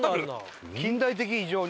近代的異常に。